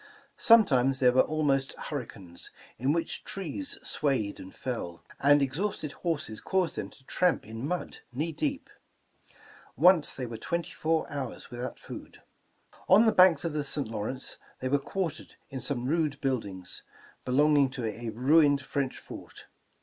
Sometimes there were almost hurricanes, in which trees swayed and fell, and exhausted horses caused them to tramp in mud knee deep. Once they were twenty four hours without food. On the banks of the St. Lawrence they were quar tered in some rude buildings, belonging to a ruined French fort.